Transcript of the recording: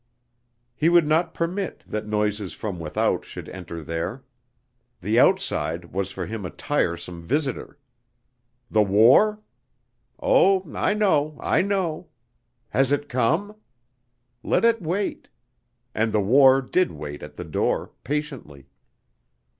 He would not permit that noises from without should enter there. The outside was for him a tiresome visitor. The war? Oh, I know, I know. Has it come? Let it wait.... And the war did wait at the door, patiently.